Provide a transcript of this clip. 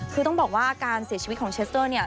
คือต้องบอกว่าการเสียชีวิตของเชสเตอร์เนี่ย